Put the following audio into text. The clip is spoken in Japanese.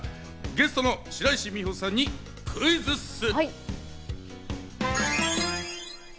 ゲストの白石美帆さんにクイズッス。